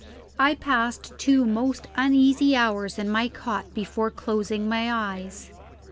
I passed two most uneasy hours in my cot before closing my eyes.